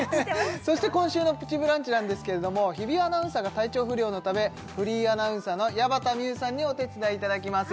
そして今週の「プチブランチ」なんですけれども日比アナウンサーが体調不良のためフリーアナウンサーの矢端名結さんにお手伝いいただきます